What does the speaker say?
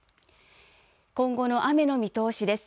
今後の雨の見通しです。